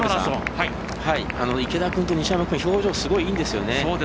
池田君と西山君、表情すごいいいんですよね。